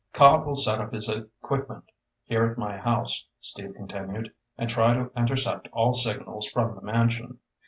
"Cobb will set up his equipment here at my house," Steve continued, "and try to intercept all signals from the mansion.